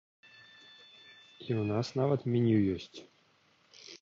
І ў нас нават меню ёсць.